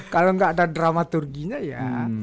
kalau nggak ada dramaturginya ya